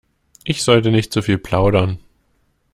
Ich sollte nicht so viel plaudern.